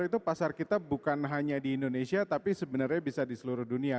itu pasar kita bukan hanya di indonesia tapi sebenarnya bisa di seluruh dunia